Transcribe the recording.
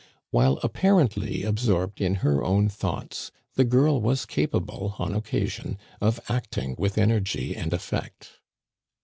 While apparently absorbed in her own thoughts, the girl was capable, on occasion, of acting with energy and effect.